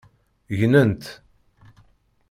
Gnent.